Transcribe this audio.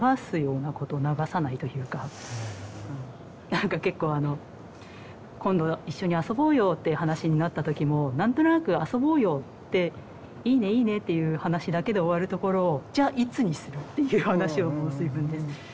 なんか結構あの「今度一緒に遊ぼうよ」っていう話になった時も何となく「遊ぼうよ」って「いいねいいね」っていう話だけで終わるところを「じゃいつにする？」っていう話をもうするんです。